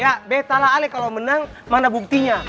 ya betala ale kalau menang mana buktinya